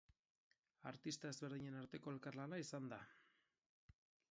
Artista ezberdinen arteko elkarlana izan da.